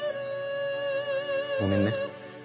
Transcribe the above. ごめんね。